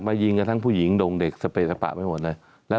มายิงกับทั้งผู้หญิงดงเด็กสเปศปลาวิทย์ให้หมดเลย